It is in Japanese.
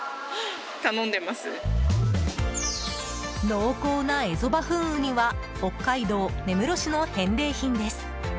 濃厚なエゾバフンウニは北海道根室市の返礼品です。